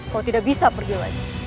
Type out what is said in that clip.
kalau tidak bisa pergi lagi